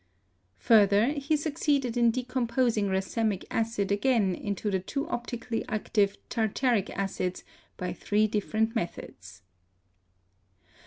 Further, he succeeded in decomposing racemic acid again into the two optically active tartaric acids by three different methods.